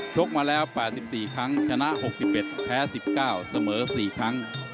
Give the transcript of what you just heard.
กมาแล้ว๘๔ครั้งชนะ๖๑แพ้๑๙เสมอ๔ครั้ง